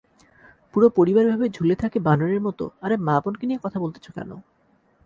পুরো পরিবার এভাবে ঝুলে থাকে বানরের মতো--- আরে মা-বোনকে নিয়ে কথা বলতেছ কেন?